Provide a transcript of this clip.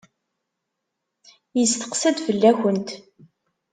Yesteqsa-d fell-akent.